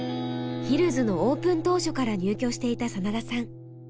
ヒルズのオープン当初から入居していた真田さん。